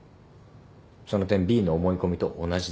その点Ｂの思い込みと同じです。